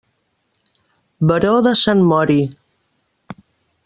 Baró de Sant Mori.